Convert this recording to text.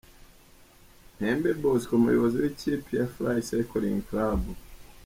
Ntembe Bosco umuyobozi w'ikipe ya Fly Cycling Club.